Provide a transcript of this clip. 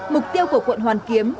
mục tiêu của quận hoàn kiếm